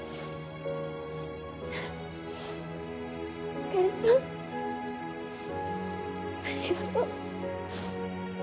ひかりちゃんありがとう。